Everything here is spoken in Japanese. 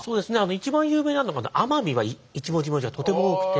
一番有名なのが奄美は一文字名字がとても多くて。